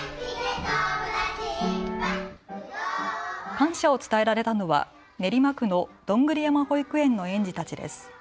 感謝を伝えられたのは練馬区のどんぐり山保育園の園児たちです。